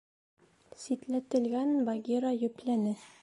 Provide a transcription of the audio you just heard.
— Ситләтелгән, — Багира йөпләне.